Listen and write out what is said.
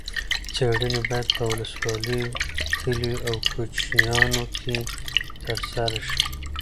څېړنې باید په ولسوالیو، کلیو او کوچیانو کې ترسره شي.